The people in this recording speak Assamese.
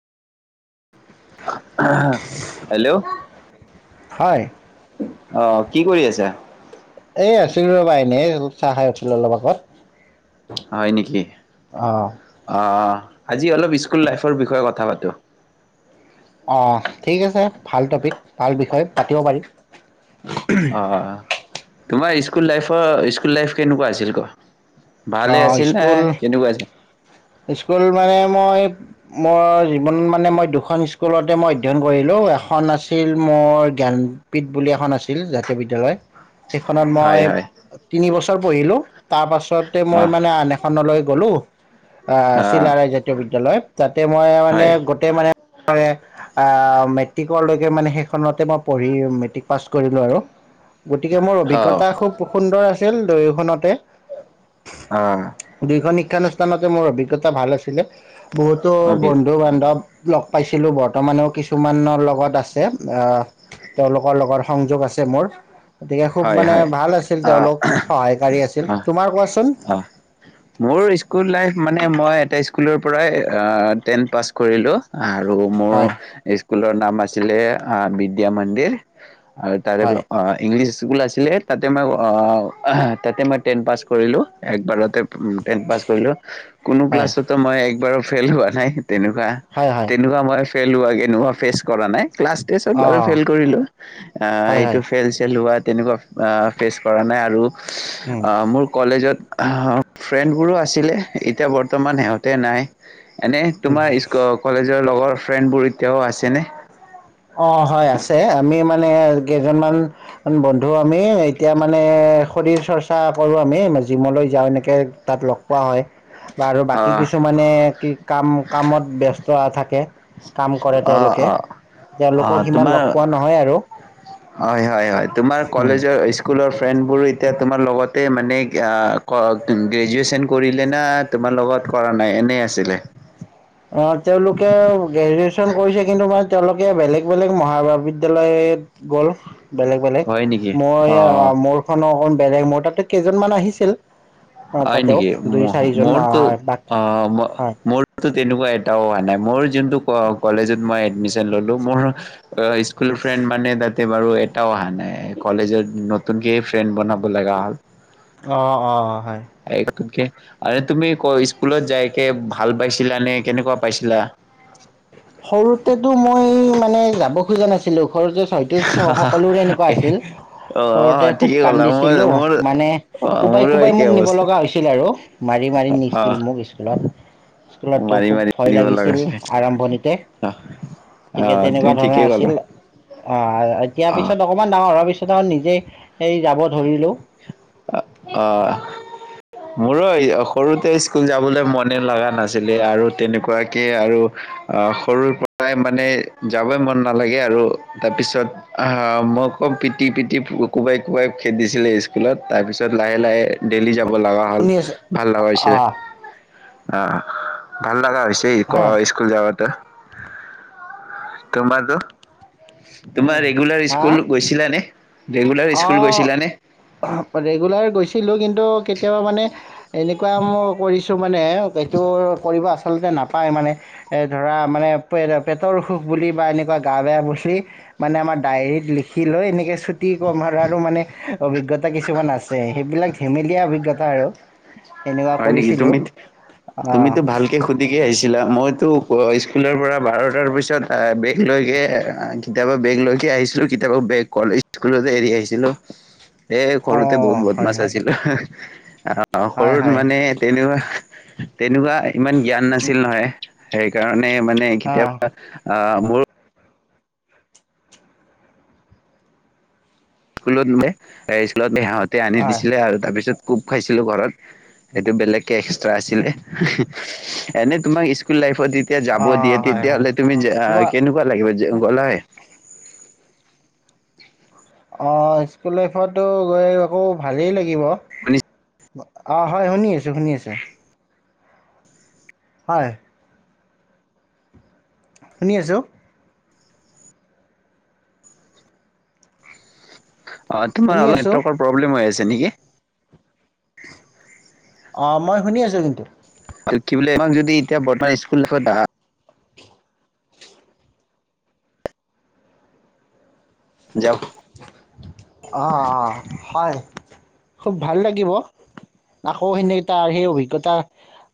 হেল্ল'? হয় অ' কি কৰি আছা? এই আছিলো ৰ'বা এনেই আৰু চাহ খাই উঠিলো অলপ আগত। হয় নেকি। অঁ অ' আজি অলপ স্কুল লাইফৰ বিষয়ে কথা পাত [unintelligible] অ' ঠিক আছে। ভাল টপিক, ভাল বিষয়, পাতিব পাৰিম। অ'! তোমাৰ স্কুল লাইফৰ স্কুল লাইফ কেনেকুৱা আছিল কোৱা? ভালেই অঁ আছিল নে স্কুল কেনেকুৱা আছিল? স্কুল মানে মই মোৰ জীৱন মানে, মই দুখন স্কুলতে মই অধ্যয়ন কৰিলোঁ, এখন আছিল মোৰ জ্ঞানপীঠ বুলি এখন আছিল জাতীয় বিদ্যালয়। সেইখনত মই হয় হয় তিনি বছৰ পঢ়িলো, তাৰ পাছতে মই অ মানে আন এখনলৈ গ'লো। অ' চিলাৰায়জাতীয় বিদ্যালয়ত। তাতে মই মানে, হয় গোতেই মানে মেট্ৰিকলৈকে মানে, সেইখনতে মই পঢ়ি মেট্ৰিক পাছ কৰিলোঁ আৰু। গতিকে, মোৰ অ অভিজ্ঞতা খুব সুন্দৰ আছিল দয়োখনতে। অ দুয়োখন শিক্ষানুষ্ঠানতে মোৰ অভিজ্ঞ তাতে ভাল আছিলে। বহুতো বন্ধু বান্ধৱ লগ পাইছিলোঁ। বৰ্তমানেও কিছুমানৰ লগত আছে, অ' তেওঁলোকৰ লগত সংযোগ আছে মোৰ। গতিকে, খুব হয় মানে হয় ভাল আছিল তেওঁলোক, সহায়কাৰী আছিল। অ তোমাৰ কোৱাচোন? অ এ, মই এটা স্কুলৰ পৰাই টেন পাছ কৰিলোঁ। আৰু মোৰ হয় স্কুলৰ নাম আছিলে, বিদ্যা মন্দিৰ। তাৰে হয় ইংলিছ স্কুল আছিলে, তাতে মই অ' মই টেন পাছ কৰিলোঁ একবাৰতে। টেন পাছ কৰিলোঁ। কোনো হয় ক্লাছতে মই একবাৰো ফেইল হোৱা নাই। তেনেকুৱা, হয় হয় তেনেকুৱা মই ফেল হোৱা কেনেকুৱা ফেচ কৰা নাই ক্লাছ তেচ অত বাৰু অঁ ফেইল কৰিলো আ হয় এইটো হয় ফেইল চেল হোৱাত তেনেকুৱা ফেচ কৰা নাই আৰু উম অ মোৰ কলেজত ফ্ৰেণ্ডবোৰো আছিলে এতিয়া বৰ্তমান সিহঁতে নাই এনেই তোমাৰ স্কুল কলেজৰ লগৰ ফ্ৰেণ্ডবোৰ এতিয়াও আছেনে? অ হয় আছে আমি মানে কেইজনমান বন্ধু আমি এতিয়া মানে শৰীৰ চৰ্চা কৰো আমি জিমলৈ যাওঁ এনেকে তাত লগ পোৱা হয় । বা আৰু অ বাকী কিছুমানে কি কাম কামত ব্যস্ত থাকে কাম কৰে অ তেওঁলোকে, অ অ তেওঁলোকক সিমান তোমাৰ লগ পোৱা নহয় আৰু হয় হয় হয় তোমাৰ কলেজৰ স্কুলৰ ফ্ৰেণ্ডবোৰো এতিয়া তোমাৰ লগতে মানে গ্ৰেজুৱেচন কৰিলে না তোমাৰ লগত কৰা নাই এনেই আছিলে? অ তেওঁলোকে গ্ৰেজুৱেচন কৰিছে কিন্তু ম তেওঁলোকে বেলেগ বেলেগ মহাবিদ্যালয়ত গ'ল । বেলেগ বেলেগ হয় নেকি মই অ আ অ মোৰ খন অকন বেলেগ মোৰ তাতো কেইজনমান আহিছিল অ হয় তাতেও নেকি দুই চাৰিজন মৰ অ টো হয় বাক অ হয়। ম তেনেকুৱা এটাও অহা নাই মোৰ যোনটো কলেজত মই এডমিচন ললো মোৰ অ স্কুল ফ্ৰেণ্ড মানে তে বাৰু এটাও অহা নাই কলেজৰ ন তুমক এই ফ্ৰেণ্ড বনাব লগা হ'ল । অ অ এক তুমকে আৰে তুমি স্কুলত যায়কে ভাল পাইছিলা নে কেনেকুৱা পাইছিলা? সৰুতেতো মই মানে যাব খোজা নাছিলো ঘৰ যে ছত সকলোৰে এনেকুৱা আছিল অ সৰুতে খুব ঠিকেই ক'লা মই কান্দিছিলো মোৰ মানে অ কোবাই মোৰো কোবাই একে মোক নিব অৱস্থা লগা হৈছিল আৰু মাৰি মাৰি নিছিল মোক স্কুলত, অ স্কুলতো মাৰি খুব মাৰি ভয় নিব লগা লাগিছিল হৈছে। আৰম্ভণিত অ তুমি তেনেকুৱা ধৰণৰ ঠিকেই ক'লা আছিল অ এতিয়াৰ অ পিছত অকমান ডাঙৰ কৰাৰ পিছত আঁ নিজে এই যাব ধৰিলো অঁ মোৰো সৰুতে স্কুল যাবলৈ মনে লগা নাছিলে আৰু তেনেকুৱাকে আৰু আঁহ সৰুৰ পৰাই মানে যাবই মন নালাগে আৰু তাৰ পিছতআঁহ মই কম পিটি পিটি কোবাই কোবাই খেদিছিলে স্কুল স্কুলত তাৰপিছত লাহে লাহে ডেইলি যাব লগা হ'ল শুনি আছো। ভাল লগা হৈছে আহ অঁ ভাল লগা হৈছে স্কুল যাৱাতে তোমাৰ নোহ তোমাৰ ৰেগুলাৰ হা স্কুল গৈছিলানে? ৰেগুলাৰ স্কুল অ গৈছিলানে? ৰেগুলাৰ গৈছিলো কিন্তু কেতিয়াবা মানে এনেকুৱা ক মানে এইটো কৰিব আচলতে নাপায় মানে ধৰা মানে পেটৰ অসুখ বুলি বা এনেকুৱা গা বেয়া বুলি মানে আমাৰ ডায়েৰীত লিখি লৈ এনেকৈ আমাৰো মানে অভিজ্ঞতা কিছুমান আছে সেইবিলাক ধেমেলীয়া অভিজ্ঞতা হয় আৰু তেনেকুৱা হয় নেকি কৰিছিলোঁ তুমি অঁ তুমিতো ভালকে সুধিকে আহিছা । ছিলা মইতো স্কুলৰ পৰা বাৰটাৰ পিছত বেগ লৈকে কিতাপৰ বেগ লৈকে আহিছিলো কিতাপৰ বেগ কলেজ স্কুলতে এৰি আহিছিলো। এ সৰুতে অঁ বহুত হয় বদৰ্মাচ হয় আছিলো। অঁ সৰু হয় সৰু হয় মানে তেনেকুৱা উ তেনেকুৱা ইমান জ্ঞান উম, নাছিল নহয়। সেইকাৰণে মানে অঁ কেতিয়াবা অঁ মোৰ স্কুলত স্কুলত মানে তাতে আনি হয় দিছিলে আৰু তাৰপিছত কোব খাইছিলো ঘৰত সেইটো বেলেগকে এক্সট্ৰা আছিলে এনে তোমাৰ স্কুল লাইফ । যেতিয়া যাব দিয়ে অঁ হয় তেতিয়া হয় হলে তুমি তোমাৰ কেনেকুৱা লাগিব। গলাই অ স্কুল লাইফতো গৈ আকৌ ভালেই লাগি, লাগীব শুনিছ অ হয় শুনি আছো শুনি আছো। হয়। শুনি আছো। অ তোমাৰ শুনি অল আছো নেটৱৰ্কৰ প্ৰব্লেম হৈ আছে। যেনেকে অ মই শুনি আছো কিন্তু আৰু কি বোলে তমাক যদি [unintelligible] এতিয়া বৰ্তমান স্কুল দেছত আহা যাও অ অ হয় খুব ভাল লাগিব আকৌ সেনে এটা সেই অভিজ্ঞতা